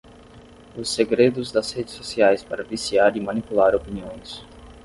Os segredos das redes sociais para viciar e manipular opiniões